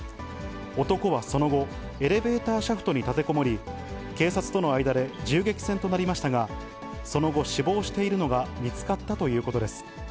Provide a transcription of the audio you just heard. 男はその後、エレベーターシャフトに立てこもり、警察との間で銃撃戦となりましたが、その後、死亡しているのが見つかったということです。